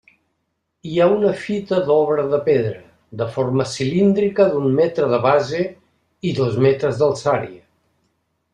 Hi ha una fita d'obra de pedra de forma cilíndrica d'un metre de base i dos metres d'alçària.